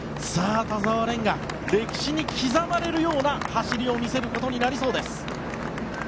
田澤廉が歴史に刻まれるような走りを見せることになりそうです。